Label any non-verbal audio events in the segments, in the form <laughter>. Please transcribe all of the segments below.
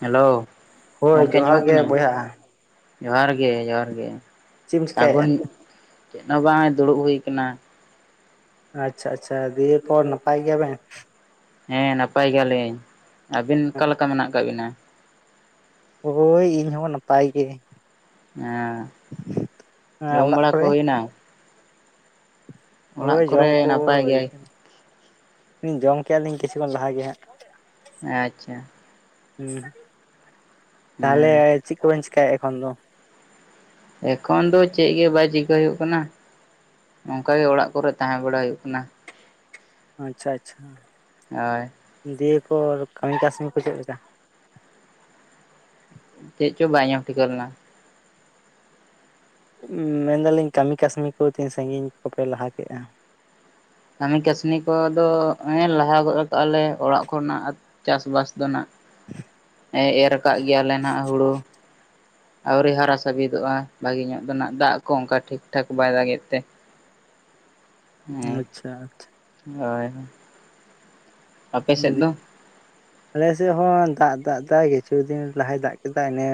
Hello ᱦᱳᱭ ᱜᱚᱢᱠᱮ ᱡᱚᱦᱟᱨ ᱟᱡᱚᱢᱚᱜ ᱜᱮ ᱠᱟᱱᱟ? ᱵᱚᱭᱦᱟ ᱡᱚᱦᱟᱨ ᱜᱮ ᱡᱚᱦᱟᱨ ᱜᱮ ᱪᱮᱫ ᱮᱢ ᱥᱟᱹᱜᱩᱱ ᱪᱤᱠᱟᱹᱭᱮᱫᱼᱟ? ᱪᱮᱫ ᱦᱚᱸ ᱵᱟᱝ ᱫᱩᱲᱩᱵ ᱦᱩᱭ ᱟᱠᱟᱱᱟ ᱾ ᱟᱪᱪᱷᱟ ᱟᱪᱪᱷᱟ ᱫᱤᱭᱮ ᱯᱚᱨ ᱱᱟᱯᱟᱭ ᱜᱮᱭᱟ ᱵᱮᱱ? ᱦᱮᱸ ᱱᱟᱯᱟᱭ ᱜᱮᱭᱟᱞᱤᱧ ᱟᱹᱵᱤᱱ ᱾ ᱚᱠᱟᱞᱮᱠᱟ ᱢᱮᱱᱟᱜ ᱟᱠᱟᱫ ᱵᱤᱱᱟ? ᱦᱚᱭ ᱤᱧ ᱦᱚᱸ ᱱᱟᱯᱟᱭ ᱜᱮ ᱾ ᱦᱮᱸ ᱡᱚᱢ ᱚᱲᱟᱜ ᱵᱟᱲᱟ ᱠᱚ ᱠᱚᱨᱮ ᱦᱩᱭ ᱮᱱᱟ? ᱦᱚᱭ ᱠᱚᱨᱮ ᱡᱚᱢ ᱠᱚ ᱱᱟᱯᱟᱭ ᱦᱚᱭ ᱜᱮᱭᱟᱭ ᱠᱟᱱᱟ ᱾ ᱡᱚᱢ ᱠᱮᱜᱼᱟ ᱞᱤᱧ ᱠᱤᱪᱷᱩ ᱠᱷᱚᱱ ᱞᱟᱦᱟ ᱜᱮ ᱦᱟᱸᱜ ᱾ ᱟᱪᱪᱷᱟ ᱾ ᱦᱩᱸ ᱛᱟᱦᱞᱮ ᱦᱮᱸ ᱪᱮᱫ ᱠᱚᱵᱮᱱ ᱪᱮᱠᱟᱭᱮᱫ ᱮᱠᱷᱚᱱ ᱫᱚ? ᱮᱠᱷᱚᱱ ᱫᱚ ᱪᱮᱫ ᱜᱮ ᱵᱟᱭ ᱪᱤᱠᱟᱹ ᱦᱩᱭᱩᱜ ᱠᱟᱱᱟ ᱾ ᱱᱚᱝᱠᱟ ᱜᱮ ᱚᱲᱟᱜ ᱠᱚᱨᱮ ᱛᱟᱦᱮᱸ ᱵᱟᱲᱟ ᱦᱩᱭᱩᱜ ᱠᱟᱱᱟ᱾ ᱟᱪᱪᱷᱟ ᱟᱪᱪᱷᱟ ᱾ ᱦᱚᱭ ᱾ ᱫᱤᱭᱮ ᱯᱚᱨ ᱠᱟᱹᱢᱤ ᱠᱟᱹᱥᱱᱤ ᱠᱚ ᱪᱮᱫ ᱞᱮᱠᱟ? ᱪᱮᱫ ᱪᱚ ᱵᱟᱭ ᱟᱸᱡᱚᱢ ᱴᱷᱤᱠᱟᱹ ᱞᱮᱱᱟ ᱾ ᱦᱩᱸ ᱢᱮᱱ ᱫᱟᱞᱤᱧ ᱠᱟᱹᱢᱤ ᱠᱟᱹᱥᱱᱤ ᱠᱚ ᱛᱤᱧ ᱥᱟᱸᱜᱤᱧ ᱠᱚᱯᱮ ᱞᱟᱦᱟ ᱠᱮᱜᱼᱟ? ᱠᱟᱹᱢᱤ ᱠᱟᱹᱥᱱᱤ ᱠᱚᱫᱚ ᱦᱮᱸ ᱞᱟᱦᱟ ᱜᱚᱫ ᱠᱟᱜᱼᱟᱞᱮ ᱚᱲᱟᱜ ᱠᱷᱚᱱᱟᱜ ᱪᱟᱥ-ᱵᱟᱥ ᱫᱚ ᱱᱟᱜ ᱮᱨ ᱟᱠᱟᱫ ᱜᱮᱭᱟ ᱞᱮ ᱱᱟᱸᱜ ᱦᱩᱲᱩ ᱾ ᱟᱹᱣᱨᱤ ᱦᱟᱨᱟ ᱥᱟᱹᱵᱤᱫᱚᱜᱼᱟ ᱵᱷᱟᱜᱤ ᱧᱚᱜ ᱫᱚ ᱱᱟᱜ ᱫᱟᱜ ᱠᱚ ᱚᱱᱠᱟ ᱴᱷᱤᱠ ᱴᱷᱟᱠ ᱵᱟᱭ ᱫᱟᱜᱮᱫ ᱛᱮ ᱾ ᱟᱪᱪᱷᱟ᱾ ᱦᱚᱭ ᱾ ᱦᱩᱸ ᱟᱞᱮ ᱥᱮᱫ ᱦᱚᱸ ᱫᱟᱜ ᱫᱟᱜ ᱮᱫᱟᱭ ᱠᱤᱪᱷᱩ ᱫᱤᱱ ᱞᱟᱦᱟᱭ ᱫᱟᱜ ᱠᱮᱫᱟ ᱤᱱᱟᱹ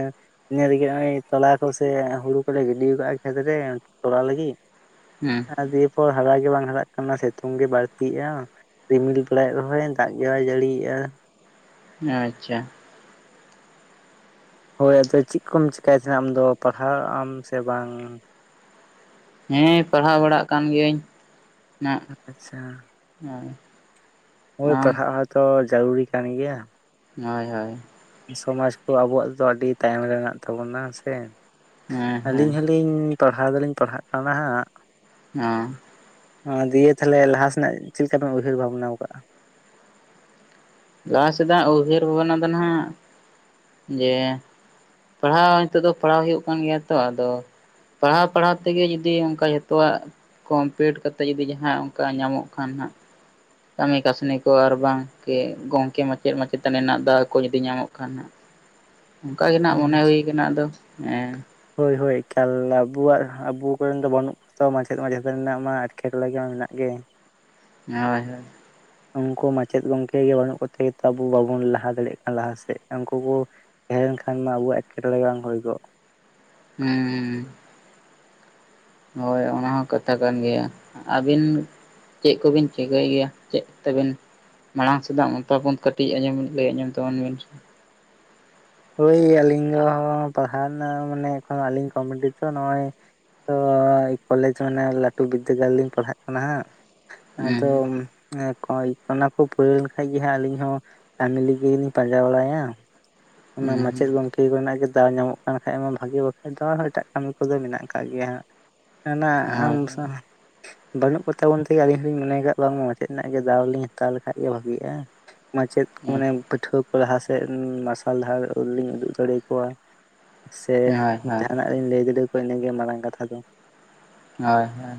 ᱤᱱᱟ ᱞᱟᱹᱜᱤᱫ ᱱᱚᱜᱼᱚᱭ ᱛᱚᱞᱟ ᱠᱚ ᱥᱮ ᱦᱩᱲᱩ ᱠᱚᱞᱮ ᱜᱤᱰᱤ ᱠᱟᱜᱼᱟ ᱠᱷᱮᱛ ᱨᱮ ᱛᱚᱞᱟ ᱞᱟᱹᱜᱤᱫ ᱾ ᱦᱮᱸ ᱟᱨ ᱫᱤᱭᱮ ᱯᱚᱨ ᱦᱟᱨᱟ ᱜᱮ ᱵᱟᱝ ᱦᱟᱨᱟᱜ ᱠᱟᱱᱟ ᱥᱤᱛᱩᱝ ᱜᱮ ᱵᱟᱹᱲᱛᱤᱜᱼᱟ ᱨᱤᱢᱤᱞ ᱵᱟᱲᱟᱭᱮᱫ ᱨᱮᱦᱚᱸᱭ ᱾ ᱫᱟᱜ ᱜᱮ ᱵᱟᱭ ᱡᱟᱹᱲᱤᱭᱮᱜᱼᱟ ᱟᱪᱪᱷᱟ ᱦᱚᱭ ᱟᱫᱚ ᱪᱮᱫ ᱠᱚᱢ ᱪᱮᱠᱟᱭ ᱛᱮ ᱟᱢᱫᱚ ᱯᱟᱲᱦᱟᱜ ᱟᱢ ᱥᱮ ᱵᱟᱝ? ᱦᱮᱸ ᱯᱟᱲᱦᱟᱣ ᱵᱟᱲᱟᱜ ᱠᱟᱱ ᱜᱤᱭᱟᱹᱧ ᱱᱟᱜ ᱾ ᱟᱪᱪᱷᱟ ᱦᱮᱸ ᱦᱚᱭ ᱯᱟᱲᱦᱟᱜ ᱦᱚᱸ ᱛᱚ ᱡᱟᱹᱨᱩᱨᱤ ᱠᱟᱱ ᱜᱮᱭᱟ ᱾ ᱦᱚᱭ ᱦᱚᱭ ᱾ ᱥᱚᱢᱟᱡᱽ ᱠᱚ ᱟᱵᱚᱣᱟᱜ ᱫᱚ ᱟᱹᱰᱤ ᱛᱟᱭᱚᱢ ᱨᱮ ᱢᱮᱱᱟᱜ ᱛᱟᱵᱚᱱᱟ ᱥᱮ ᱦᱮᱸ ᱦᱮᱸ ᱟᱹᱞᱤᱧ ᱦᱚᱸ ᱞᱤᱧ ᱯᱟᱲᱦᱟᱣ ᱫᱚ ᱞᱤᱧ ᱯᱟᱲᱦᱟᱜ ᱠᱟᱱᱟ ᱦᱟᱸᱜ᱾ ᱚᱸ ᱫᱤᱭᱮ ᱛᱟᱦᱞᱮ ᱞᱟᱦᱟ ᱥᱮᱱᱟᱜ ᱪᱮᱫ ᱞᱮᱠᱟ ᱵᱮᱱ ᱩᱭᱦᱟᱹᱨ ᱵᱷᱟᱵᱱᱟ ᱟᱠᱟᱜᱼᱟ᱾ ᱞᱟᱦᱟ ᱥᱮᱫᱟᱜ ᱩᱭᱦᱟᱹᱨ ᱵᱷᱟᱵᱽᱱᱟ ᱫᱚ ᱱᱟᱦᱟᱜ ᱡᱮ᱾ ᱯᱟᱲᱦᱟᱣ ᱱᱤᱛᱚᱜ ᱫᱚ ᱯᱟᱲᱦᱟᱣ ᱦᱩᱭᱩᱜ ᱠᱟᱱ ᱜᱮᱭᱟ ᱛᱚ ᱟᱫᱚ᱾ ᱯᱟᱲᱦᱟᱣ ᱯᱟᱲᱦᱟᱣ ᱛᱮᱜᱮ ᱡᱚᱫᱤ ᱚᱱᱠᱟ ᱡᱷᱚᱛᱚᱣᱟᱜ᱾ ᱠᱚᱢᱯᱤᱴ ᱠᱟᱛᱮ ᱡᱩᱫᱤ ᱡᱟᱦᱟᱸ ᱚᱱᱠᱟ ᱧᱟᱢᱚᱜ ᱠᱷᱟᱱ ᱦᱟᱸᱜ᱾ ᱠᱟᱹᱢᱤ ᱠᱟᱹᱥᱱᱤ ᱠᱚ ᱟᱨ ᱵᱟᱝ ᱠᱮ ᱜᱚᱢᱠᱮ ᱢᱟᱪᱮᱫ ᱢᱟᱪᱮᱛᱟᱱᱤ ᱨᱮᱱᱟᱜ ᱫᱟᱣ ᱠᱚ ᱡᱩᱫᱤ ᱧᱟᱢᱚᱜ ᱠᱷᱟᱱ ᱦᱟᱸᱜ᱾ <unintelligible> ᱚᱱᱠᱟ ᱜᱮ ᱱᱟᱜ ᱢᱚᱱᱮ ᱦᱳᱭ ᱠᱟᱱᱟ ᱟᱫᱚ ᱦᱮᱸ᱾ ᱦᱳᱭ ᱦᱳᱭ ᱮᱠᱟᱞ ᱟᱵᱚᱣᱟᱜ ᱟᱵᱚ ᱠᱚᱨᱮᱱ ᱫᱚ ᱵᱟᱹᱱᱩᱜ᱾ᱵ᱾ ᱛᱚ ᱢᱟᱪᱮᱫ ᱢᱟᱪᱮᱛᱟᱱᱤ ᱨᱮᱱᱟᱜ ᱢᱟ ᱮᱴᱠᱮᱴᱚᱬᱮ ᱢᱟ ᱢᱮᱱᱟᱜ ᱜᱮᱭᱟ᱾ ᱦᱚᱭ ᱦᱚᱭ <unintelligible> ᱩᱱᱠᱩ ᱢᱟᱪᱮᱫ ᱜᱚᱝᱠᱮ ᱜᱮ ᱵᱟᱹᱱᱩᱜ ᱠᱚᱛᱮ ᱜᱮᱛᱚ, ᱟᱵᱚ ᱵᱟᱵᱚᱱ ᱞᱟᱦᱟ ᱫᱟᱲᱮᱭᱟᱜ ᱠᱟᱱᱟ ᱞᱟᱦᱟ ᱥᱮᱫ ᱩᱱᱠᱩ ᱠᱚ᱾ ᱛᱟᱦᱮᱸ ᱞᱮᱱᱠᱷᱟᱱ ᱢᱟ ᱟᱵᱚ ᱮᱴᱠᱮᱴᱚᱬᱮ ᱵᱟᱝ ᱦᱩᱭ ᱠᱚᱜ᱾ ᱦᱩᱸᱻ ᱦᱳᱭ ᱚᱱᱟ ᱦᱚᱸ ᱠᱟᱛᱷᱟ ᱠᱟᱱ ᱜᱮᱭᱟ ᱟᱹᱵᱤᱱ᱾ ᱪᱮᱫ ᱠᱚᱵᱤᱱ ᱪᱤᱠᱟᱹᱭ ᱜᱮᱭᱟ ᱪᱮᱫ ᱛᱮᱵᱮᱱ᱾ ᱢᱟᱲᱟᱝ ᱥᱮᱫᱟᱜ ᱢᱚᱛᱟ ᱠᱟᱹᱴᱤᱡ ᱟᱸᱚᱢ ᱞᱟᱹᱭ ᱟᱸᱡᱚᱢ ᱛᱟᱵᱚᱱ ᱵᱮᱱ᱾ ᱳᱭ ᱟᱹᱞᱤᱧ ᱫᱚ ᱯᱟᱲᱦᱟᱣ ᱨᱮᱱᱟᱜ ᱢᱟᱱᱮ, ᱮᱠᱷᱱ ᱟᱹᱞᱤᱧ ᱠᱚᱢᱯᱤᱞᱤᱴᱤ ᱛᱚ ᱱᱚᱜᱼᱚᱭ᱾ ᱛᱚ ᱠᱚᱞᱮᱡᱽ ᱢᱟᱱᱮ ᱞᱟᱹᱴᱩ ᱵᱤᱫᱽᱫᱟᱹᱜᱟᱲ ᱞᱤᱧ ᱯᱟᱲᱦᱟᱜ ᱠᱟᱱᱟ ᱦᱟᱸᱜ ᱟᱫᱚ᱾ ᱦᱩᱸ ᱚᱱᱟ ᱠᱚ ᱯᱩᱨᱟᱹᱣ ᱞᱮᱱ ᱠᱷᱟᱱᱡ ᱜᱮ ᱦᱟᱸᱜ ᱟᱹᱞᱤᱧ ᱦᱚᱸ ᱠᱟᱹᱢᱤ, ᱞᱟᱹᱜᱤᱫᱜ ᱞᱤᱧ ᱯᱟᱸᱡᱟ ᱵᱟᱲᱟᱭᱟ᱾ ᱚᱱᱟ ᱦᱩᱸ ᱦᱩᱸ ᱢᱟᱪᱮᱫ ᱜᱚᱝᱠᱮ᱾ ᱴᱷᱤᱠ ᱢᱮᱱᱟᱜ ᱜᱮ ᱫᱟᱣ ᱧᱟᱢᱚᱜ ᱠᱟᱱ ᱠᱷᱟᱡ ᱢᱟ ᱵᱷᱟᱜᱤ, ᱵᱟᱠᱷᱟᱡ ᱫᱚ ᱟᱨ ᱮᱴᱟᱜ ᱠᱟᱹᱢᱤ ᱠᱚᱫᱚ ᱢᱮᱱᱟᱜ ᱟᱠᱟᱫ ᱜᱮᱭᱟ ᱦᱟᱸᱜ᱾ ᱮᱱᱟ ᱟᱢ ᱦᱳᱭ ᱥᱣ ᱵᱟᱹᱱᱩᱜ ᱠᱚᱛᱟᱵᱚᱱ ᱛᱮ ᱟᱹᱞᱤᱧ ᱦᱚᱞᱤᱧ ᱢᱚᱱᱮ ᱠᱟᱜ ᱵᱟᱝ ᱢᱟᱪᱮᱫ, ᱞᱮᱱᱟᱜ ᱫᱟᱣ ᱞᱤᱧ ᱦᱟᱛᱟᱣ ᱞᱮᱠᱷᱟᱡ ᱜᱮ ᱵᱷᱟᱹᱜᱤᱜᱼᱟ᱾ ᱢᱟᱪᱮᱫ ᱦᱳᱭ ᱢᱟᱱᱮ ᱯᱟᱹᱴᱷᱩᱣᱟᱹ ᱠᱚ ᱞᱟᱦᱟ ᱥᱮᱫ, ᱢᱟᱨᱥᱟᱞ ᱫᱷᱟᱨ ᱟᱹᱞᱤᱧ ᱩᱫᱩᱜ ᱫᱟᱲᱮ ᱟᱠᱚᱣᱟ᱾ ᱥᱮ ᱦᱳᱭ ᱦᱳᱭ ᱡᱟᱦᱟᱱᱟᱜ ᱨᱤᱧ ᱞᱟᱹᱭ ᱫᱟᱲᱮᱠᱚᱣᱟ ᱤᱱᱟᱹᱜᱮ ᱢᱟᱨᱟᱝ ᱠᱟᱛᱷᱟ ᱫᱚ᱾ ᱦᱳᱭ ᱦᱳᱭ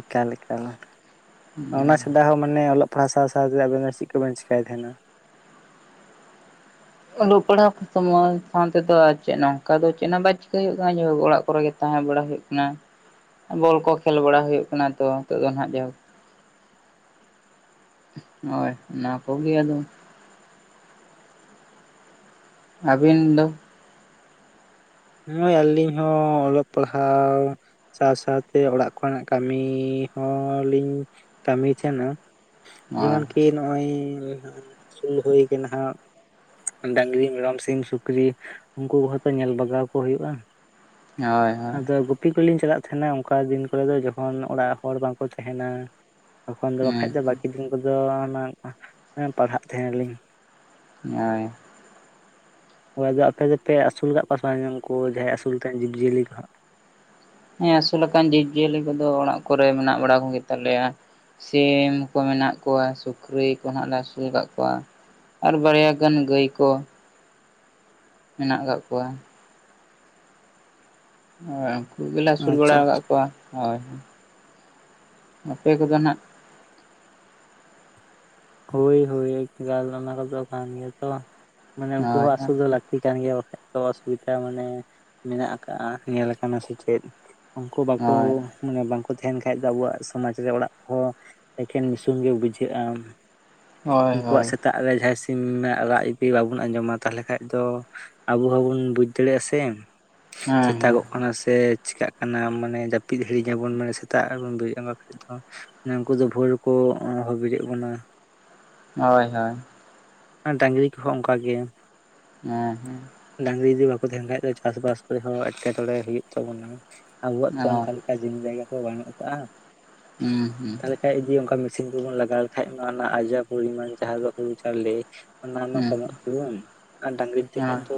ᱮᱠᱟᱞ ᱮᱠᱟᱞ ᱚᱱᱟ ᱦᱳᱭ ᱪᱷᱟᱰᱟ ᱦᱚᱸ ᱢᱟᱱᱮ ᱚᱞᱚᱜ᱾ ᱯᱟᱲᱦᱟᱣ ᱥᱟᱶ ᱥᱟᱶᱛᱮ ᱟᱵᱮᱱ ᱫᱚ ᱪᱮᱫ ᱠᱚᱵᱮᱱ ᱪᱮᱠᱟᱹᱭ ᱛᱟᱦᱮᱸᱱᱟ᱾ ᱚᱞᱚᱜ ᱯᱟᱲᱦᱟᱣ ᱥᱚᱢᱚᱭ ᱥᱟᱶ ᱛᱮᱫᱚ ᱟᱨ ᱪᱮᱫ ᱱᱚᱝᱠᱟ ᱫᱚ ᱪᱮᱫ ᱦᱚᱸ ᱵᱟᱭ ᱪᱤᱠᱟᱹᱭ ᱦᱩᱭᱩᱜ ᱠᱟᱱᱟ ᱚᱲᱟᱜ ᱠᱚᱨᱮ ᱜᱮ ᱛᱟᱦᱮᱸ ᱵᱟᱲᱟ ᱦᱩᱭᱩᱜ ᱠᱟᱱᱟ᱾ ᱵᱚᱞ ᱠᱚ ᱠᱷᱮᱞ ᱵᱟᱲᱟ ᱦᱩᱭᱩᱜ ᱠᱟᱱᱟ ᱛᱚ ᱱᱤᱛᱚᱜ ᱫᱚ ᱦᱟᱜ ᱡᱟᱭᱦᱳᱠ᱾ ᱦᱳᱭ ᱚᱱᱟ ᱠᱚᱜ ᱜᱮ ᱟᱫᱚ᱾ ᱟᱹᱵᱤᱱ ᱫᱚ? ᱱᱚᱜᱼᱚᱭ ᱟᱹᱞᱤᱧ ᱦᱚᱸ ᱚᱞᱚᱜ ᱯᱟᱲᱦᱟᱣ᱾ ᱥᱟᱶ ᱥᱟᱶᱛᱮ ᱚᱲᱟᱜ ᱠᱚᱨᱮᱱᱟᱜ ᱠᱟᱹᱢᱤ ᱦᱚᱞᱤᱧ ᱠᱟᱹᱢᱤ ᱛᱟᱦᱮᱱᱟ᱾ ᱦᱳᱭ ᱡᱮᱢᱚᱱ ᱠᱤ ᱱᱚᱜᱼᱚᱭ ᱥᱩᱨᱩ ᱦᱩᱭ ᱠᱟᱱᱟᱦᱜ᱾ ᱰᱟᱝᱨᱤ ᱢᱮᱨᱚᱢ ᱥᱤᱢ ᱥᱩᱠᱨᱤ ᱩᱱᱠᱩ ᱠᱚᱦᱚᱸᱛᱚ ᱧᱮᱞ ᱵᱟᱜᱟᱣ᱾ ᱠᱚ ᱦᱩᱭᱩᱜᱼᱟ ᱦᱳᱭ ᱦᱳᱭ ᱟᱫᱚ᱾ ᱜᱩᱯᱤ ᱠᱚᱞᱤᱧ ᱪᱟᱞᱟᱜ ᱛᱟᱦᱮᱱᱟ ᱚᱱᱠᱟ ᱫᱤᱱ ᱠᱚᱨᱮ ᱫᱚ ᱡᱚᱠᱷᱚᱱ ᱚᱲᱟᱜ ᱦᱚᱲ ᱵᱟᱝᱠᱚ ᱛᱟᱦᱮᱸᱱᱟ᱾ ᱛᱚᱠᱷᱚᱱ ᱫᱚ ᱵᱟᱠᱷᱟᱡ ᱫᱚ ᱦᱩᱸ ᱵᱟᱹᱠᱤ ᱫᱤᱱ ᱠᱚᱫᱚ ᱯᱟᱲᱦᱟᱜ ᱛᱟᱸᱦᱮ ᱞᱤᱧ᱾ ᱦᱳᱭ ᱦᱳᱭ ᱟᱫᱚ ᱟᱯᱮ ᱜᱮᱯᱮ ᱟᱹᱥᱩᱞ ᱠᱟᱜ ᱠᱚᱣᱟ ᱥᱮ ᱵᱟᱝ ᱡᱟᱦᱟᱸᱭ ᱟᱹᱥᱩᱞ ᱡᱤᱵᱽᱼᱡᱤᱭᱟᱹᱞᱤ ᱠᱚ ᱦᱟᱸᱜ᱾ ᱦᱮᱸ ᱟᱹᱥᱩᱞᱠᱟᱱ ᱡᱤᱵᱽᱡᱤᱭᱟᱹᱞᱤ ᱠᱚᱫᱚ ᱚᱲᱟᱜ ᱠᱚᱨᱮ ᱢᱮᱱᱟᱜ ᱵᱟᱲᱟ ᱠᱚᱜ ᱛᱟᱞᱮᱭᱟ᱾ ᱥᱤᱢ ᱠᱚ ᱢᱮᱱᱟᱜ ᱠᱚᱣᱟ ᱥᱩᱠᱨᱤ ᱠᱚᱦᱟᱸᱜ ᱞᱮ ᱟᱹᱥᱩᱞ ᱟᱠᱟᱫ ᱠᱚᱣᱟ᱾ ᱟᱨ ᱵᱟᱨᱭᱟ ᱜᱟᱱ ᱜᱟᱹᱭ ᱠᱚ᱾ ᱢᱮᱱᱟᱜ ᱟᱠᱟᱫ ᱠᱚᱣᱟ᱾ ᱦᱳᱭ, ᱩᱱᱠᱩ ᱜᱮᱮᱞᱮ ᱟᱹᱥᱩᱞ ᱵᱟᱲᱟ ᱟᱪᱪᱷᱟ ᱟᱪᱪᱷᱟ ᱟᱠᱟᱫ ᱠᱚᱣᱟ, ᱦᱳᱭ᱾ ᱟᱯᱮ ᱠᱚᱜᱮ ᱱᱟᱜ, ᱦᱚᱭ ᱦᱚᱭ ᱮᱠᱟᱞ ᱚᱱᱟ ᱠᱚᱫᱚ ᱠᱟᱝ ᱜᱮᱛᱚ, ᱢᱟᱱᱮ ᱩᱱᱠᱩ ᱦᱳᱭ ᱦᱚᱸ ᱟᱥᱩᱞ ᱫᱚ ᱞᱟᱹᱠᱼᱼ <unintelligible> ᱛᱤ ᱠᱟᱱ ᱜᱮᱭᱟ ᱵᱟᱠᱷᱟᱱ ᱫᱚ ᱛᱟᱞᱟᱥ ᱞᱮᱠᱟ ᱢᱟᱱᱮ ᱢᱮᱱᱟᱜ ᱟᱠᱟᱜᱼᱟ, ᱧᱮᱞ‌ ᱟᱠᱟᱱᱟ ᱥᱮᱪᱮᱫ? ᱩᱱᱠᱩ ᱵᱟᱠᱩᱼᱼ ᱦᱳᱭ ᱢᱟᱱᱮ ᱵᱟᱝᱠᱩ ᱛᱟᱦᱮᱱ ᱠᱷᱟᱡ ᱫᱚ ᱟᱵᱚᱣᱟᱜ ᱥᱚᱢᱟᱡᱽ ᱨᱮ, ᱚᱲᱟᱜ ᱠᱚᱦᱚᱸ ᱮᱠᱷᱮᱱ ᱱᱤᱥᱩᱱ ᱜᱮ ᱵᱩᱡᱷᱟᱹᱜᱼᱟ᱾ ᱦᱳᱭ ᱦᱳᱭ ᱩᱱᱠᱩᱣᱟᱜ ᱥᱮᱛᱟᱜ ᱨᱮ ᱡᱟᱦᱟᱸᱭ ᱥᱤᱢ ᱨᱟᱜ ᱡᱩᱫᱤ ᱵᱟᱵᱚᱱ ᱟᱸᱡᱚᱢᱟ ᱛᱟᱦᱞᱮ ᱠᱷᱟᱡ ᱫᱚ ᱼᱼ ᱟᱵᱚ ᱦᱚᱸ ᱵᱟᱵᱚᱱ ᱵᱩᱡ ᱫᱟᱲᱮᱭᱟᱜᱼᱟ ᱥᱮ ᱦᱮᱸ ᱦᱮᱸ ᱥᱮᱛᱟᱜᱚᱜ ᱠᱟᱱᱟ ᱥᱮᱼᱼ ᱪᱮᱠᱟᱹᱜ ᱠᱟᱱᱟ ᱢᱟᱱᱮ ᱡᱟᱹᱯᱤᱫ ᱦᱤᱲᱤᱧᱟᱵᱚᱱ ᱢᱟᱱᱮ ᱥᱮᱛᱟᱜ ᱨᱮᱵᱚᱱ ᱵᱮᱨᱮᱜᱼᱟ, ᱠᱷᱟᱱ ᱫᱚᱼᱼ ᱩᱱᱠᱩ ᱫᱚ ᱵᱷᱳᱨ ᱨᱮᱠᱚ ᱚᱦᱚ ᱵᱮᱨᱮᱫᱽ ᱵᱚᱱᱟ᱾ ᱦᱚᱭ, ᱦᱚᱭ ᱾ ᱰᱟᱝᱨᱤ ᱠᱚᱦᱚᱸ ᱚᱱᱠᱟᱜᱮ ᱾ ᱦᱮᱸ ᱦᱮᱸ ᱾ ᱰᱟᱝᱨᱤ ᱡᱩᱫᱤ ᱵᱟᱠᱚ ᱛᱟᱦᱮᱱ ᱠᱷᱟᱡ ᱫᱚ ᱪᱟᱥ ᱵᱟᱥ ᱠᱚᱨᱮ ᱦᱚᱸ ᱮᱴᱠᱮᱴᱚᱲᱮ ᱦᱩᱭᱩᱜ ᱛᱟᱵᱚᱱᱟ, ᱟᱵᱚᱣᱟᱜ ᱛᱚ ᱦᱮᱸ ᱦᱳᱭ ᱚᱱᱠᱟᱼᱼ ᱡᱚᱢᱤ ᱡᱟᱭᱜᱟ ᱠᱚ ᱵᱟᱹᱱᱩᱜ ᱟᱠᱟᱜᱼᱟ᱾ ᱦᱩᱸ ᱦᱩᱸ᱾ ᱛᱟᱦᱮ ᱠᱷᱟᱱ ᱡᱩᱫᱤ ᱚᱱᱠᱟ ᱢᱮᱥᱤᱱ ᱠᱚᱵᱚᱱ ᱞᱟᱜᱟᱣ ᱞᱮᱠᱷᱟᱡ ᱚᱱᱟ ᱨᱮᱱᱟᱜ ᱟᱡᱟᱨ ᱯᱚᱨᱤᱢᱟᱱ ᱡᱟᱦᱟᱸ ᱫᱚ ᱦᱩᱲᱩ ᱪᱟᱣᱞᱮᱼᱼ ᱚᱱᱟ ᱢᱟ ᱦᱩᱸ ᱠᱚᱢᱚᱜ ᱛᱟᱵᱚᱱ ᱟᱨ ᱰᱟᱝᱨᱤ ᱛᱮ ᱠᱷᱟᱡ ᱦᱳᱭ ᱫᱚᱼᱼ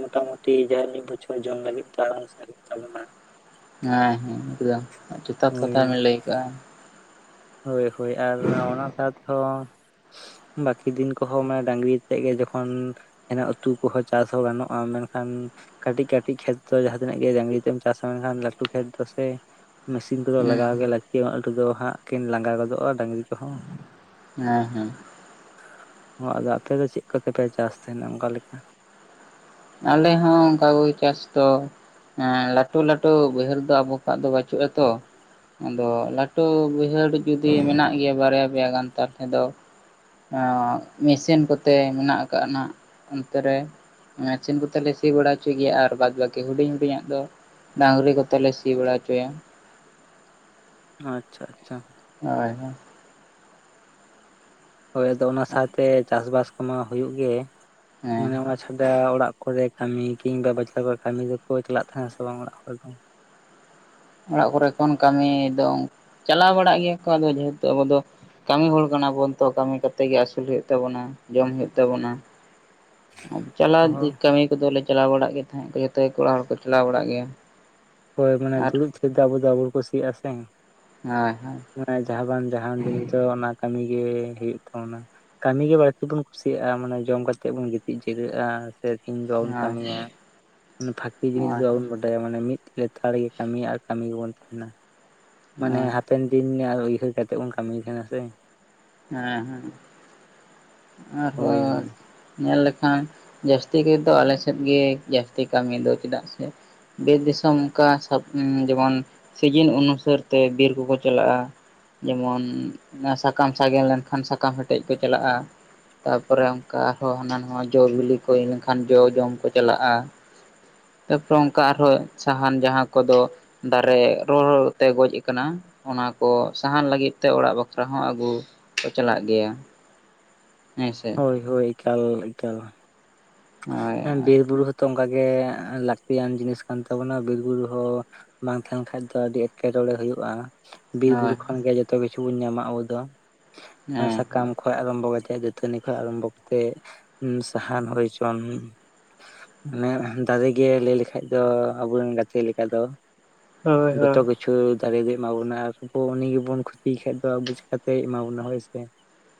ᱢᱚᱴᱟ ᱢᱩᱴᱤ ᱡᱟᱦᱟᱸ ᱢᱤᱫ ᱵᱚᱪᱷᱚᱨ ᱡᱚᱢ ᱞᱟᱹᱜᱤᱫ ᱛᱚ ᱟᱨ ᱦᱚᱸ ᱥᱟᱨᱮᱪ <unintelligible> ᱵᱚᱱᱟ ᱦᱮᱸ ᱦᱮᱸ ᱮᱠᱫᱚᱢ ᱡᱚᱛᱟᱛ ᱠᱟᱛᱟ ᱵᱮᱱ ᱞᱟᱹᱭ ᱟᱠᱟᱜᱼᱟ᱾ ᱦᱚᱭ, ᱦᱚᱭ ᱟᱨ ᱚᱱᱟ ᱥᱟᱶᱛᱮ ᱦᱚᱸᱼᱼ ᱵᱟᱹᱠᱤ ᱫᱤᱱ ᱠᱚᱦᱚᱸ ᱢᱟᱱᱮ ᱰᱟᱝᱨᱤ ᱟᱛᱮᱜ ᱜᱮ ᱡᱚᱠᱷᱚᱱᱼᱼ ᱤᱱᱟ ᱩᱛᱩ ᱠᱚᱦᱚᱸ ᱪᱟᱥ ᱦᱚᱸ ᱜᱟᱱᱚᱜᱼᱟ, ᱢᱮᱱᱠᱷᱟᱱᱼᱼ ᱠᱟᱹᱴᱤᱡ ᱠᱟᱹᱴᱤᱡ ᱠᱷᱮᱛ ᱫᱚ ᱡᱟᱦᱟᱸ ᱛᱤᱱᱟᱹᱜ ᱜᱮ ᱰᱟᱝᱨᱤ ᱛᱮᱢ ᱪᱟᱥᱟ ᱢᱮᱱᱠᱷᱟᱱ ᱞᱟᱹᱴᱩ ᱠᱷᱮᱛ ᱫᱚ ᱥᱮᱼᱼ ᱢᱮᱥᱤᱱ ᱛᱮᱫᱚ ᱦᱩᱸ ᱞᱟᱜᱟᱣ ᱜᱮ ᱞᱟᱹᱠᱛᱤᱭᱟ ᱱᱚᱜᱼᱚᱭ <unintelligible> ᱦᱟᱸᱜ ᱠᱤᱱ ᱞᱟᱸᱜᱟ ᱜᱚᱫᱚᱜᱼᱟ, ᱰᱟᱝᱨᱤ ᱠᱚᱦᱚᱸᱼᱼ ᱦᱮᱸ ᱦᱮᱸ᱾ ᱦᱚᱸ ᱟᱫᱚ ᱟᱯᱮ ᱫᱚ ᱪᱮᱜ ᱠᱚᱛᱮ ᱯᱮ ᱪᱟᱥ ᱛᱟᱦᱮᱱᱟ ᱚᱱᱠᱟ ᱞᱮᱠᱟ? ᱟᱞᱮ ᱦᱚᱸ ᱚᱱᱠᱟ ᱠᱚ ᱜᱮ ᱪᱟᱥ ᱫᱚ᱾ ᱦᱮᱸ ᱞᱟᱹᱴᱩ ᱞᱟᱹᱴᱩ ᱵᱟᱹᱭᱦᱟᱹᱲ ᱫᱚ ᱟᱵᱚ ᱠᱷᱚᱣᱟᱜ ᱫᱚ ᱵᱟᱪᱩᱜᱼᱟ ᱛᱚ, ᱟᱫᱚ ᱞᱟᱹᱴᱩ ᱵᱟᱹᱭᱦᱟᱹᱲ ᱡᱩᱫᱤ ᱢᱮᱱᱟᱜ ᱜᱮᱭᱟ ᱵᱟᱨᱭᱟ ᱯᱮᱭᱟ ᱜᱟᱱ ᱛᱟ <unintelligible> ᱼᱼ ᱟᱫᱚ ᱢᱮᱥᱤᱱ ᱠᱚᱛᱮ ᱢᱮᱱᱟᱜ ᱟᱠᱟᱟᱜᱼᱟ ᱱᱷᱟᱜ ᱚᱱᱛᱮ ᱨᱮ, ᱢᱮᱥᱤᱱ ᱠᱚᱛᱮ ᱞᱮ ᱥᱤ ᱵᱟᱲᱟ ᱦᱚᱪᱚᱭ ᱜᱮᱭᱟ ᱟᱨ ᱵᱟᱫᱽ ᱵᱟᱹᱠᱤ ᱦᱩᱰᱤᱧ ᱦᱩᱰᱤᱧᱟᱻᱜ ᱫᱚᱼᱼ ᱰᱟᱝᱨᱤ ᱠᱚᱛᱮ ᱞᱮ ᱥᱤ ᱵᱟᱲᱟ ᱚᱪᱚᱭᱟ᱾ ᱟᱪᱪᱷᱟ ᱟᱪᱪᱷᱟ᱾ ᱦᱚᱭ ᱦᱚᱭᱼᱼ ᱦᱚᱭ ᱟᱫᱚ ᱚᱱᱟ ᱥᱟᱶᱛᱮ ᱪᱟᱥᱼᱵᱟᱥ ᱠᱚᱢᱟ ᱦᱩᱭᱩᱜ ᱜᱮ ᱦᱮᱸ ᱢᱟᱱᱮ ᱚᱱᱟ ᱪᱷᱟ <unintelligible> ᱼᱼ <unintelligible> ᱚᱲᱟᱜ ᱠᱚᱨᱮ ᱠᱟᱹᱢᱤ ᱠᱤᱝᱵᱟ ᱵᱟᱡᱟᱨ ᱠᱚᱨᱮ ᱠᱟᱹᱢᱤ ᱫᱚᱠ ᱚ ᱪᱟᱞᱟᱜ ᱛᱟᱦᱮᱸᱜ ᱟᱥᱮ ᱵᱟᱝ ᱚᱲᱟᱜ ᱦᱚᱲ ᱫᱚ? ᱚᱲᱟᱜ ᱠᱚᱨᱮ ᱠᱷᱚᱱ ᱠᱟᱹᱢᱤ ᱫᱚ, ᱪᱟᱞᱟᱣ ᱵᱟᱲᱟᱜ ᱜᱮᱭᱟ ᱠᱚ ᱟᱫᱚ ᱡᱮᱦᱮᱛᱩ ᱟᱵᱚ ᱫᱚᱼᱼ ᱠᱟᱹᱢᱤ ᱦᱚᱲ ᱠᱟᱱᱟ ᱵᱚᱱ ᱛᱚ, ᱠᱟᱹᱢᱤ ᱠᱟᱛᱮ ᱜᱮ ᱟᱹᱥᱩᱞ ᱦᱩᱭᱩᱜ ᱛᱟᱵᱚᱱᱟ ᱡᱚᱢ ᱦᱩᱭᱩᱭ ᱛᱟᱵᱚᱱᱟ ᱾ ᱪᱟᱞᱟᱣ ᱫᱚ <unintelligible> ᱠᱟᱹᱢᱤ ᱠᱚᱫᱚ ᱞᱮ ᱪᱟᱞᱟᱣ ᱵᱟᱲᱟᱜ ᱜᱮ ᱛᱟᱦᱮᱸ ᱡᱚᱛᱚ ᱜᱮ ᱠᱚᱲᱟ ᱦᱚᱲ ᱠᱚ ᱪᱟᱞᱟᱣ ᱵᱟᱲᱟᱜ ᱜᱮᱭᱟ᱾ ᱦᱚᱭ ᱢᱟᱱᱮ ᱟᱨ ᱫᱩᱲᱩᱵ ᱛᱷᱤᱨ ᱫᱚ ᱟᱵᱚ ᱫᱚ ᱵᱟᱵᱚ ᱠᱩᱥᱤᱭᱟᱜᱼᱟ ᱥᱮ, ᱦᱚᱸᱭ ᱦᱚᱭ ᱾ ᱢᱟᱱᱮ ᱡᱟᱦᱟᱸ ᱵᱟᱝ ᱡᱟᱦᱟᱱ ᱫᱤᱱ ᱫᱚ ᱚᱱᱟ ᱠᱟᱹᱢᱤ ᱜᱮ ᱦᱩᱭᱩᱜ ᱛᱟᱵᱚᱱᱟ᱾ ᱠᱟᱹᱢᱤ ᱜᱮ ᱵᱟᱹᱲᱛᱤ ᱵᱚᱱ ᱠᱩᱥᱤᱭᱟᱜᱼᱟ ᱢᱟᱱᱮ ᱡᱚᱢ ᱠᱟᱛᱮ ᱵᱚᱱ ᱜᱤᱛᱤᱡ ᱡᱤᱨᱟᱹᱜᱼᱟ᱾ ᱥᱮ ᱥᱮᱧ ᱫᱚ ᱵᱟᱵᱚᱱ ᱦᱳᱭ ᱠᱟᱹᱢᱤᱭᱟ <unintelligible> ᱯᱷᱟᱠᱤ ᱡᱤᱱᱤᱥ ᱫᱚ ᱦᱳᱭ ᱵᱟᱵᱚᱱ ᱦᱳᱭ ᱵᱟᱴ <unintelligible> ᱼᱼ <inaudible> ᱢᱟᱱᱮ ᱢᱤᱫ ᱞᱮᱛᱟᱲ ᱜᱮ ᱠᱟᱹᱢᱤ ᱟᱨ ᱠᱟᱹᱢᱤ ᱜᱮᱵᱚᱱ ᱛᱟᱦᱮᱱᱟ᱾ ᱢᱟᱱᱮ ᱦᱳᱭ ᱦᱟᱯᱮᱱ ᱫᱤᱱ <unintelligible> ᱩᱭᱦᱟᱹᱨ ᱠᱟᱛᱮᱜ ᱵᱚᱱ ᱠᱟᱹᱢᱤ ᱛᱟᱦᱮᱱᱟ ᱥᱮ᱾ ᱦᱮᱸ ᱦᱮᱸ ᱾ ᱟᱨᱦᱚ ᱦᱳᱭ ᱦᱳᱭ <unintelligible> ᱧᱮᱞ ᱞᱮᱠᱷᱟᱱ ᱡᱟᱹᱥᱛᱤ ᱜᱮᱫᱚ ᱟᱞᱮ ᱥᱮᱫ ᱜᱮ ᱡᱟᱹᱥᱛᱤ ᱠᱟᱹᱢᱤ ᱫᱚ ᱪᱮᱫᱟᱜ ᱥᱮ? ᱵᱤᱨᱮ ᱫᱤᱥᱚᱢ ᱚᱱᱠᱟ ᱡᱮᱢᱚᱱ ᱥᱤᱡᱤᱱ ᱚᱱᱩᱥᱟᱹᱨ ᱛᱮ ᱵᱤᱨ ᱠᱚᱠᱚ ᱪᱟᱞᱟᱜᱼᱟ᱾ ᱡᱮᱢᱚᱱ ᱥᱟᱠᱟᱢ ᱥᱟᱜᱮᱱ ᱞᱮᱱᱠᱷᱟᱱ ᱥᱟᱠᱟᱢ ᱦᱮᱴᱮᱡ ᱠᱚ ᱪᱟᱞᱟᱜᱼᱟ ᱛᱟᱨᱯᱚᱨᱮ ᱚᱱᱠᱟ ᱟᱨᱦᱚᱸ ᱦᱟᱱᱟ ᱱᱟᱣᱟ ᱡᱚᱼ ᱵᱤᱞᱤ ᱠᱚ ᱦᱩᱭ ᱞᱮᱱᱠᱷᱟᱱ ᱡᱚᱼ ᱡᱚᱢ ᱠᱚ ᱪᱟᱞᱟᱜᱼᱟ ᱛᱟᱯᱚᱨᱮ ᱚᱱᱠᱟ ᱟᱨᱦᱚᱸ ᱥᱟᱦᱟᱱ ᱡᱟᱦᱟᱸ ᱠᱚᱫᱚ ᱫᱟᱨᱮ ᱨᱚᱲᱛᱮ ᱜᱚᱡ ᱠᱟᱱᱟ ᱚᱱᱟᱠᱚ ᱥᱟᱦᱟᱱ ᱞᱟᱹᱜᱤᱫ ᱛᱮ ᱚᱲᱟᱜ ᱵᱟᱠᱷᱨᱟ ᱦᱚᱸ ᱟᱹᱜᱩ ᱠᱚ ᱪᱟᱞᱟᱜ ᱜᱮᱭᱟ ᱦᱮᱸᱥᱮ ᱦᱳᱭ ᱦᱳᱭ ᱮᱠᱟᱞ ᱮᱠᱟᱞ ᱦᱳᱭ ᱦᱮᱸ ᱵᱤᱨᱵᱩᱨᱩ ᱦᱚᱸᱛᱚ ᱚᱱᱠᱟᱜ ᱜᱮ ᱞᱟᱹᱠᱛᱤᱭᱟᱱ ᱡᱤᱱᱤᱥ ᱠᱟᱱ ᱛᱟᱵᱚᱱᱟ ᱵᱤᱨᱵᱩᱨᱩ ᱦᱚᱸ ᱵᱟᱝ ᱛᱟᱦᱮᱱ ᱠᱷᱟᱡ ᱫᱚ ᱟᱹᱰᱤ ᱮᱸᱴᱠᱮᱴᱚᱲᱮ ᱦᱩᱭᱩᱜ-ᱟ ᱵᱤᱨ ᱵᱩᱨᱩ ᱦᱳᱭ ᱠᱷᱚᱱ ᱜᱮ ᱡᱚᱛᱚ ᱠᱤᱪᱷᱩ ᱵᱚᱱ ᱧᱟᱢ ᱟ ᱟᱵᱚ ᱫᱚ ᱦᱮᱸ ᱥᱟᱠᱟᱢ ᱠᱷᱚᱱ ᱠᱷ ᱟᱨᱵᱷᱚ ᱠᱟᱛᱮ ᱫᱟᱹᱛᱟᱹᱱᱤ ᱠᱷᱚᱱ ᱟᱨᱟᱢᱵᱷᱚ ᱠᱟᱛᱮᱫ ᱥᱟᱦᱟᱱ ᱦᱩᱭ ᱦᱚᱪᱚᱝ ᱚᱱᱮ ᱫᱟᱨᱮ ᱜᱮ ᱞᱟᱹᱭ ᱞᱮᱠᱷᱟᱡ ᱫᱚ ᱟᱵᱚᱨᱮᱱ ᱜᱟᱛᱮ ᱞᱮᱠᱟ ᱫᱚ ᱦᱳᱭ ᱦᱳᱭ ᱡᱚᱛᱚ ᱠᱤᱪᱷᱩ ᱠᱤᱪᱷᱩ ᱫᱟᱨᱮ ᱜᱮ ᱮᱢᱟ ᱵᱚᱱᱟ ᱟᱨ ᱟᱵᱚ ᱩᱱᱤ ᱜᱮᱵᱚᱱ ᱠᱷᱚᱛᱤᱭ ᱠᱷᱟᱡ ᱫᱚ ᱟᱵᱚ ᱪᱮᱠᱟᱛᱮᱭ ᱮᱢᱟ ᱵᱚᱱᱟ ᱦᱳᱭ ᱥᱮ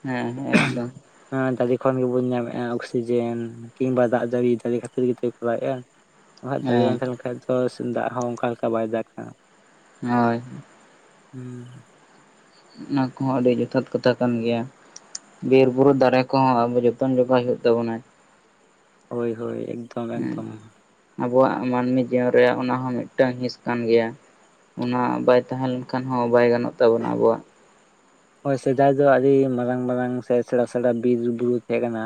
ᱦᱮᱸ ᱮᱠᱫᱚᱢ ᱦᱮ ᱫᱟᱨᱮ ᱠᱷᱚᱱ ᱜᱮᱵᱚᱱ ᱧᱟᱢ ᱮ-ᱟ ᱚᱠᱥᱤᱡᱮᱱ ᱠᱤᱢᱵᱟ ᱫᱟᱜ ᱡᱟᱨᱤ ᱫᱟᱨᱮ ᱠᱷᱟᱹᱛᱤᱨ ᱜᱮᱛᱚᱭ ᱠᱚᱨᱟᱣᱮᱫ-ᱟ ᱟᱨ ᱫᱟᱨᱮ ᱵᱟᱝ ᱦᱮᱸ ᱛᱟᱦᱮᱸ ᱞᱮᱱ ᱠᱷᱟᱱ ᱫᱚ ᱛᱚ ᱫᱟᱜ ᱦᱚᱸ ᱚᱱᱠᱟ ᱞᱮᱠᱟ ᱵᱟᱭ ᱫᱟᱜ-ᱟ᱾ ᱦᱳᱭ ᱦᱩᱸ ᱚᱱᱟ ᱠᱚᱦᱚᱸ ᱟᱹᱰᱤ ᱡᱚᱛᱷᱟᱛ ᱠᱟᱛᱷᱟ ᱠᱟᱱ ᱜᱮᱭᱟ ᱵᱤᱨ ᱵᱩᱨᱩ ᱫᱟᱨᱮ ᱠᱚᱦᱚᱸ ᱟᱵᱚ ᱡᱚᱛᱚᱱ ᱡᱚᱜᱟᱣ ᱦᱩᱭᱩᱜ ᱛᱟᱵᱚᱱᱟ ᱦᱳᱭ ᱦᱳᱭ ᱮᱠᱫ ᱦᱮᱸ ᱟᱵᱚᱣᱟᱜ ᱢᱟᱹᱱᱢᱤ ᱡᱤᱭᱚᱱ ᱨᱮᱭᱟᱜ ᱚᱱᱟ ᱦᱚᱸ ᱢᱤᱫᱴᱟᱝ ᱦᱤᱸᱥ ᱠᱟᱱ ᱜᱮᱭᱟ᱾ ᱚᱱᱟ ᱵᱟᱭ ᱛᱟᱦᱮᱸ ᱞᱮᱱᱠᱷᱟᱱ ᱦᱚᱸ ᱵᱟᱭ ᱜᱟᱱᱚᱜ ᱛᱟᱵᱚᱱᱟ ᱟᱵᱚᱣᱟᱜ᱾ ᱦᱳᱭ ᱥᱮᱫᱟᱭ ᱫᱚ ᱟᱹᱰᱤ ᱢᱟᱨᱟᱝ ᱢᱟᱨᱟᱝ ᱥᱮ ᱥᱮᱬᱟ ᱥᱮᱬᱟ ᱵᱤᱨ ᱵᱩᱨᱩ ᱛᱟᱦᱮᱸ ᱠᱟᱱᱟ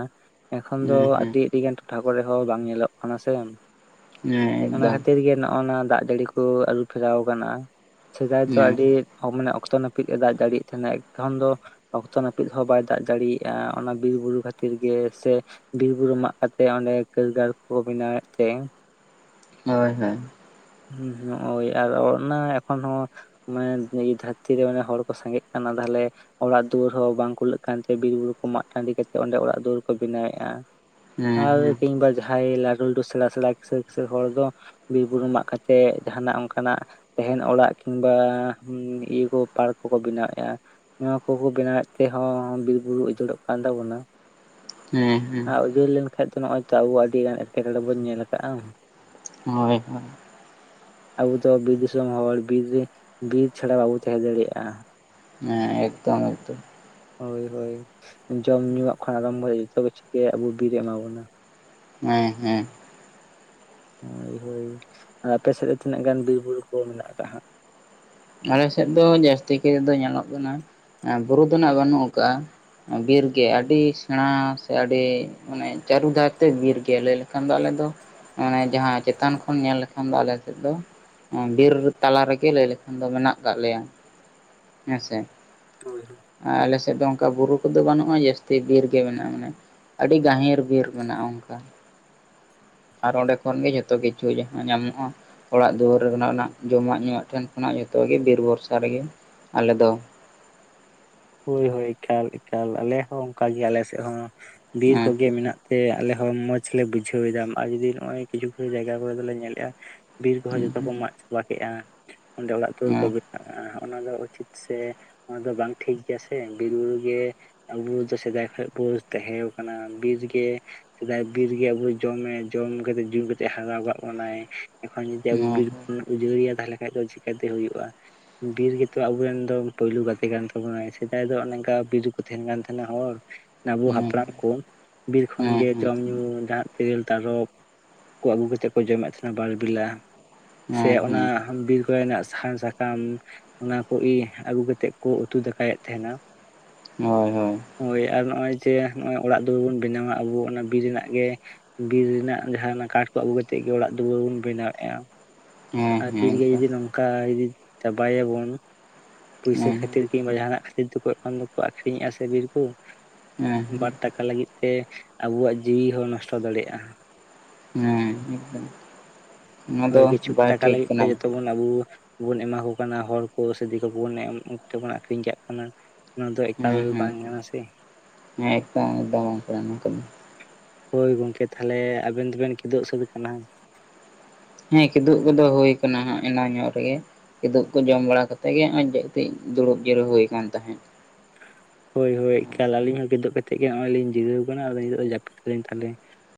ᱮᱠᱷᱚᱱ ᱫᱚ ᱦᱮᱸ ᱦᱮᱸ ᱟᱹᱰᱤ ᱟᱹᱰᱤ ᱜᱟᱱ ᱴᱚᱴᱷᱟ ᱠᱚᱨᱮ ᱦᱚᱸ ᱵᱟᱝ ᱧᱮᱞᱚᱜ ᱠᱟᱱᱟ ᱥᱮ ᱦᱮᱸ ᱚᱱᱟ ᱮᱠᱫᱚᱢ ᱠᱷᱟᱹᱛᱤᱨ ᱜᱮ ᱱᱚᱜ-ᱚ ᱱᱟ ᱫᱟᱜ ᱡᱟᱹᱲᱤ ᱠᱚ ᱟᱹᱨᱩᱯᱷᱮᱨᱟᱣ ᱠᱟᱱᱟ᱾ ᱥᱮᱫᱟᱭ ᱫᱚ ᱦᱮᱸ ᱟᱹᱰᱤ ᱢᱟᱱᱮ ᱚᱠᱛᱚ ᱱᱟᱹᱯᱤᱛ ᱮ ᱫᱟᱜ ᱡᱟᱹᱲᱤᱭ ᱛᱟᱦᱮᱱᱟ ᱮᱠᱷᱚᱱ ᱫᱚ ᱚᱠᱛᱚ ᱱᱟᱹᱯᱤᱛ ᱦᱚᱸ ᱵᱟᱭ ᱫᱟᱜ ᱡᱟᱲᱤᱭᱮᱜ-ᱟ ᱚᱱᱟ ᱵᱤᱨ ᱵᱩᱨᱩ ᱠᱷᱟᱹᱛᱤᱨ ᱜᱮ ᱥᱮ ᱵᱤᱨ ᱵᱩᱨᱩ ᱢᱟᱜ ᱠᱟᱛᱮᱫ ᱚᱸᱰᱮ ᱠᱟᱹᱨᱜᱟᱲ ᱠᱚ ᱵᱮᱱᱟᱣ ᱮᱫ ᱛᱮ ᱦᱳᱭ ᱦᱳᱭ ᱦᱳᱭ ᱟᱨ ᱚᱱᱟ ᱮᱠᱷᱚᱱ ᱢᱟᱱᱮ ᱫᱷᱟᱹᱨᱛᱤ ᱨᱮ ᱢᱟᱱᱮ ᱦᱚᱲ ᱠᱚ ᱥᱟᱸᱜᱮᱜ ᱠᱟᱱᱟ ᱛᱟᱦᱚᱞᱮ ᱚᱲᱟᱜ ᱫᱩᱣᱟᱹᱨ ᱦᱚᱸ ᱵᱟᱝ ᱠᱩᱞᱟᱹᱜ ᱠᱟᱱᱛᱮ ᱵᱤᱨ ᱵᱩᱨᱩ ᱠᱚ ᱢᱟᱜ ᱴᱟᱺᱰᱤ ᱠᱟᱛᱮᱫ ᱚᱸᱰᱮ ᱚᱲᱟᱜ ᱫᱩᱣᱟᱹᱨ ᱠᱚ ᱵᱮᱱᱟᱣ ᱮᱟ᱾ ᱦᱮᱸ ᱟᱨ ᱦᱮᱸ ᱠᱤᱝᱵᱟ ᱡᱟᱦᱟᱸᱭ ᱞᱟᱹᱴᱷᱩ ᱞᱟᱹᱴᱷᱩ ᱥᱮᱬᱟ ᱥᱮᱬᱟ ᱠᱤᱥᱟᱹᱲᱼ ᱠᱤᱥᱟᱹᱲ ᱦᱚᱲ ᱫᱚ ᱵᱤᱨ ᱵᱩᱨᱩ ᱢᱟᱜ ᱠᱟᱛᱮᱜ ᱡᱟᱦᱟᱱᱟᱜ ᱚᱱᱠᱟᱱᱟᱜ ᱛᱟᱦᱮᱱ ᱚᱲᱟᱜ ᱠᱤᱝᱵᱟ ᱤᱭᱟᱹ ᱠᱚ ᱯᱟᱨᱠ ᱠᱚᱠᱚ ᱵᱮᱱᱟᱣᱮᱫᱼᱟ᱾ ᱱᱚᱣᱟ ᱠᱚᱠᱚ ᱵᱮᱱᱟᱣᱮᱫ ᱛᱮᱦᱚᱸ ᱵᱤᱨ ᱵᱩᱨᱩ ᱩᱡᱟᱹᱲᱚᱜ ᱠᱟᱱ ᱛᱟᱵᱚᱱᱟ ᱦᱮᱸ ᱦᱮᱸ ᱟᱨ ᱩᱡᱟᱹᱲ ᱞᱮᱱᱠᱷᱟᱱ ᱫᱚ ᱱᱚᱜ-ᱚᱭ ᱛᱚ ᱟᱵᱚ ᱟᱹᱰᱤᱜᱟᱱ ᱮᱴᱠᱮᱴᱚᱬᱮ ᱵᱚᱱ ᱧᱮᱞ ᱠᱟᱜ-ᱟ ᱦᱳᱭ ᱦᱳᱭ <unintelligible> ᱟᱵᱚ ᱫᱚ ᱵᱤᱨ ᱫᱤᱥᱚᱢ ᱦᱚᱲ ᱵᱤᱨ ᱨᱮ ᱵᱤᱨ ᱪᱷᱟᱲᱟ ᱵᱟᱵᱚ ᱛᱟᱦᱮᱸ ᱫᱟᱲᱮᱭᱟᱜ-ᱟ᱾ ᱦᱮᱸ ᱮᱠᱫᱚᱢ ᱮᱠᱫᱚᱢ ᱦᱳᱭ ᱦᱳᱭ ᱡᱚᱢ ᱧᱩᱣᱟᱜ ᱠᱷᱚᱱ ᱟᱨᱟᱢᱵᱚ ᱡᱚᱛᱚ ᱠᱤᱪᱷᱩ ᱜᱮ ᱟᱵᱚ ᱵᱤᱨ ᱮᱢᱟᱵᱚᱱᱟ ᱦᱮᱸ ᱦᱮᱸ ᱦᱳᱭ ᱦᱳᱭ ᱟᱯᱮ ᱥᱮᱫ ᱨᱮ ᱛᱤᱱᱟᱹᱜ ᱜᱟᱱ ᱵᱤᱨ ᱵᱩᱨᱩ ᱠᱚ ᱢᱮᱱᱟᱜ ᱟᱠᱟᱫᱟ ᱦᱟᱸᱜ? ᱟᱞᱮ ᱥᱮᱫ ᱫᱚ ᱡᱟᱹᱥᱛᱤ ᱠᱟᱭ ᱫᱚ ᱧᱮᱞᱚᱜ ᱠᱟᱱᱟ ᱵᱩᱨᱩ ᱫᱚ ᱱᱟᱜ ᱵᱟᱹᱱᱩᱜ ᱟᱠᱟᱫᱟ᱾ ᱵᱤᱨ ᱜᱮ ᱟᱹᱰᱤ ᱥᱮᱲᱟ ᱥᱮ ᱟᱹᱰᱤ ᱢᱟᱱᱮ ᱪᱟᱹᱨᱩ ᱫᱷᱟᱨ ᱛᱮ ᱵᱤᱨ ᱜᱮᱭᱟ ᱞᱟᱹᱭ ᱞᱮᱠᱷᱟᱱ ᱫᱚ ᱟᱞᱮ ᱫᱚ ᱢᱟᱱᱮ ᱡᱟᱦᱟᱸ ᱪᱮᱛᱟᱱ ᱠᱷᱚᱱ ᱧᱮᱞ ᱞᱮᱠᱷᱟᱱ ᱫᱚ ᱟᱞᱮ ᱥᱮᱫ ᱫᱚ ᱵᱤᱨ ᱛᱟᱞᱟ ᱨᱮᱜᱮ ᱞᱟᱹᱭ ᱞᱮᱠᱷᱟᱱ ᱠᱷᱟᱱ ᱫᱚ ᱢᱮᱱᱟᱜ ᱠᱟᱫ ᱞᱮᱭᱟ ᱦᱮᱸᱥᱮ ᱦᱳᱭ <unintelligible> ᱟᱨ ᱟᱞᱮ ᱥᱮᱫ ᱫᱚ, ᱚᱱᱠᱟ ᱵᱩᱨᱩ ᱠᱚᱫᱚ ᱵᱟᱹᱱᱩᱜᱼᱟ, ᱡᱟᱹᱥᱛᱤ ᱵᱤᱨ ᱜᱮ ᱢᱮᱱᱟᱜᱼᱟ, ᱢᱟᱱᱮ ᱟᱹᱰᱤ ᱜᱟᱹᱦᱤᱨ ᱵᱤᱨ ᱢᱮᱱᱟᱜᱼᱟ, ᱚᱱᱠᱟ ᱟᱨ ᱚᱸᱰᱮ ᱠᱷᱚᱱ ᱜᱮ, ᱡᱷᱚᱛᱚ ᱠᱤᱪᱷᱩ ᱡᱟᱦᱟᱸ ᱧᱟᱢᱚᱜᱼᱟ᱾ ᱚᱲᱟᱜ ᱫᱩᱣᱟᱹᱨᱮ ᱵᱮᱱᱟᱣ ᱨᱮᱱᱟᱜ, ᱡᱚᱢᱟᱜ ᱧᱩᱣᱟᱜ ᱴᱷᱮᱱ ᱠᱷᱚᱱᱟᱜ, ᱡᱚᱛᱚ ᱜᱮ ᱵᱤᱨ ᱵᱷᱚᱨᱥᱟ ᱨᱮᱜᱮ ᱟᱞᱮ ᱫᱚ᱾ ᱦᱳᱭ, ᱦᱳᱭ, ᱮᱠᱟᱞ, ᱮᱠᱟᱞ, ᱟᱞᱮ ᱦᱚᱸ ᱚᱱᱠᱟ ᱜᱮ, ᱟᱞᱮ ᱥᱮᱫ ᱦᱚᱸ ᱵᱤᱨ ᱦᱮᱸ ᱠᱚᱜᱮ ᱢᱮᱱᱟᱜ ᱛᱮᱜᱮ ᱟᱞᱮ ᱦᱚᱸ ᱢᱚᱸᱡᱽ ᱞᱮ ᱵᱩᱡᱷᱟᱹᱣ ᱮᱫᱟ, ᱟᱨ ᱡᱩᱫᱤ ᱱᱚᱜᱼᱚᱭ ᱠᱤᱪᱷᱩ, ᱠᱤᱪᱷᱩ ᱡᱟᱭᱜᱟ ᱠᱚᱨᱮ ᱫᱚᱞᱮ ᱧᱮᱞ ᱮᱜᱼᱟ ᱵᱤᱨ ᱠᱚᱦᱚᱸ ᱦᱮᱸ ᱡᱚᱛᱚ ᱠᱚ ᱢᱟᱜ ᱪᱟᱵᱟ ᱠᱮᱜᱼᱟ, ᱚᱸᱰᱮ ᱚᱲᱟᱜ ᱫᱩᱣᱟᱹᱨ ᱠᱚ ᱦᱮᱸ ᱚᱱᱟ ᱫᱚ ᱩᱪᱤᱛ ᱥᱮ, ᱚᱱᱟ ᱫᱚ ᱵᱟᱝ ᱴᱷᱤᱠ? ᱜᱮᱭᱟ ᱥᱮ, ᱵᱤᱨ ᱵᱩᱨᱩ ᱜᱮ ᱟᱵᱚ ᱫᱚ ᱥᱮᱫᱟᱭ ᱠᱷᱚᱡ ᱵᱚ, ᱛᱟᱦᱮᱸ ᱠᱟᱱᱟ ᱵᱤᱨ ᱜᱮ ᱥᱮᱫᱟᱭ ᱵᱤᱨ ᱜᱮ, ᱟᱵᱚᱭ ᱡᱚᱢᱮ ᱡᱚᱢ ᱠᱟᱛᱮᱫ, ᱧᱩ ᱠᱟᱛᱮᱫ ᱦᱟᱨᱟ ᱠᱟᱜ ᱵᱚᱱᱟᱭ᱾ ᱮᱠᱷᱚᱱ ᱡᱩᱫᱤ ᱟᱵᱚ ᱦᱮᱸ ᱵᱤᱨ ᱠᱚᱵᱚᱱ ᱩᱡᱟᱹᱲᱮᱭᱟ ᱛᱟᱦᱚᱞᱮ ᱠᱷᱟᱡ ᱫᱚ ᱪᱤᱠᱟᱹ ᱛᱮ ᱦᱳᱭᱳᱜᱼᱟ, ᱵᱤᱨ ᱜᱮᱛᱚ ᱟᱵᱚᱨᱮᱱ ᱫᱚ ᱯᱳᱭᱞᱳ ᱜᱟᱛᱮ ᱠᱟᱱ ᱛᱟᱵᱚᱱᱟᱭ᱾ ᱥᱮᱫᱟᱭ ᱫᱚ ᱚᱱᱮ ᱚᱝᱠᱟ, ᱵᱤᱨ ᱨᱮ ᱠᱚ ᱛᱟᱦᱮᱸᱱ ᱠᱟᱱ ᱛᱟᱦᱮᱸᱱᱟ ᱦᱚᱲ᱾ ᱟᱵᱚ ᱦᱮᱸ ᱦᱟᱯᱲᱟᱢ ᱠᱚ, ᱵᱤᱨ ᱠᱷᱚᱱ ᱦᱮᱸ ᱜᱮ ᱡᱚᱢ ᱧᱩ, ᱡᱟᱦᱟᱸ ᱛᱮᱨᱮᱞ, ᱛᱟᱨᱚᱵ ᱠᱚ, ᱟᱹᱜᱩ ᱠᱟᱛᱮᱫ ᱠᱚ ᱡᱚᱢᱮᱫ ᱛᱟᱦᱮᱸᱱᱟ ᱵᱟᱨ ᱵᱮᱞᱟ᱾ ᱥᱮ ᱦᱮᱸ ᱚᱱᱟ ᱦᱮᱸ ᱦᱟᱴ ᱵᱤᱨ ᱠᱚᱨᱮ ᱱᱟᱜ ᱥᱟᱦᱟᱱ, ᱥᱟᱠᱟᱢ, ᱚᱱᱟ ᱠᱚ ᱜᱮ, ᱟᱹᱜᱩ ᱠᱟᱛᱮᱜ ᱠᱚ ᱩᱛᱩ ᱫᱟᱠᱟᱭᱮᱜᱼᱼ ᱛᱮᱦᱮᱱᱟ᱾ ᱦᱚᱭ, ᱦᱚᱭ᱾ ᱦᱳᱭ, ᱟᱨ ᱱᱚᱜ-ᱚᱭ ᱡᱮ, ᱱᱚᱜ-ᱚᱭ ᱚᱲᱟᱜ ᱫᱩᱣᱟᱹᱨ ᱵᱚᱱ ᱵᱮᱱᱟᱣᱟ ᱟᱹᱵᱩ, ᱚᱱᱟ ᱵᱤᱨ ᱨᱮᱱᱟᱜ ᱜᱮ ᱵᱤᱨ ᱨᱮᱱᱟᱜ ᱡᱟᱦᱟᱸ ᱚᱱᱟ ᱠᱟᱴ ᱠᱚ ᱟᱹᱜᱩ ᱠᱟᱛᱮᱜ ᱜᱮ, ᱚᱲᱟᱜ ᱫᱩᱣᱟᱹᱨ ᱵᱩᱱ ᱵᱮᱱᱟᱣ ᱮᱸᱜ-ᱟ᱾ ᱦᱮᱸ ᱟᱨ ᱦᱮᱸ ᱵᱤᱨ ᱜᱮ ᱮᱠᱫᱚᱢ ᱡᱩᱫᱤ ᱱᱚᱝᱠᱟ, ᱡᱩᱩᱤ ᱪᱟᱵᱟ ᱭᱟᱵᱚᱱ, ᱯᱩᱭᱥᱟᱹ ᱦᱮᱸ ᱠᱷᱟᱹᱛᱤᱨ ᱠᱤᱝᱜᱽ ᱵᱟ ᱡᱟᱦᱟᱸᱱᱟᱜ ᱵᱤᱨ ᱫᱚᱠᱚ ᱮᱠᱷᱚᱱ ᱫᱚᱠᱚ ᱟᱠᱷᱨᱤᱧᱮᱜᱼᱟ ᱥᱮ, ᱵᱤᱨ ᱠᱩ ᱦᱮᱸ ᱵᱟᱨ ᱴᱟᱠᱟ ᱞᱟᱹᱜᱤᱫ᱾ ᱛᱮ, ᱟᱵᱚᱣᱟᱜ ᱡᱤᱣᱤ ᱦᱚᱸ ᱱᱚᱥᱴᱚ ᱫᱟᱲᱮᱜ-ᱟ᱾ ᱦᱮᱸ, ᱦᱮᱸ, ᱛᱚ, ᱚᱱᱟ ᱫᱚ ᱵᱟᱭ ᱴᱷᱤᱠ ᱠᱟᱱᱟ᱾ ᱟᱵᱩ ᱵᱚᱱ ᱮᱢᱟ ᱠᱚ ᱠᱟᱱᱟ ᱦᱚᱲ ᱠᱚ ᱥᱮ, ᱫᱤᱠᱩ ᱠᱚᱵᱚᱱ ᱮᱢ ᱩᱱᱠᱩ ᱴᱷᱮᱡ ᱵᱚᱱ ᱟᱠᱷᱨᱤᱧ ᱠᱟᱜ ᱠᱟᱱᱟ᱾ ᱚᱱᱟ ᱫᱚ ᱮᱠᱟᱞ ᱦᱮᱸ, ᱦᱮᱸ, ᱵᱟᱝ ᱠᱟᱱᱟ ᱥᱮ ᱦᱮᱸ ᱮᱠᱫᱚᱢ, ᱮᱠᱫᱚᱢ, ᱜᱚᱝᱠᱮ ᱚᱱᱟ ᱠᱚ ᱫᱚ᱾ ᱦᱳᱭ ᱜᱚᱝᱠᱮ ᱛᱟᱦᱚᱞᱮ, ᱟᱵᱮᱱ ᱫᱚᱵᱮᱱ ᱠᱤᱫᱩᱵ ᱥᱟᱹᱛ ‌ᱠᱟᱱᱟ? ᱦᱮᱸ, ᱠᱤᱫᱩᱵ ᱠᱚᱫᱚ ᱦᱳᱭ ᱠᱟᱱᱟ, ᱦᱟᱸᱜ ᱮᱱᱟᱱ ᱧᱚᱜ ᱨᱮᱜᱮ᱾ ᱠᱤᱫᱩᱵ ᱠᱚ ᱡᱚᱢ ᱵᱟᱲᱟ ᱠᱟᱛᱮᱜ ᱜᱮ, ᱦᱚᱸᱜ-ᱚᱭ ᱡᱟᱹᱯᱤᱜ ᱫᱩᱲᱩᱵ ᱡᱤᱨᱟᱹᱣ ᱦᱳᱭ ᱠᱟᱱ ᱛᱟᱦᱮᱸᱜ᱾ ᱦᱳᱭ, ᱦᱳᱭ, ᱮᱠᱟᱞ ᱟᱞᱤᱧ ᱦᱚᱸ ᱠᱤᱫᱩᱵ ᱠᱟᱛᱮᱜ ᱜᱮ, ᱱᱚᱜ-ᱚᱭ ᱞᱤᱧ ᱡᱤᱨᱟᱹᱣ ᱠᱟᱱᱟ ᱟᱫᱚ ᱱᱤᱛᱚᱜ ᱫᱚ ᱡᱟᱯᱤᱫ ᱛᱟᱞᱤᱧ ᱛᱟᱦᱚᱞᱮ᱾